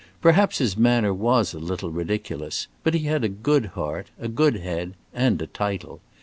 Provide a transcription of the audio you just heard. Perhaps his manner was a little ridiculous, but he had a good heart, a good head, and a title.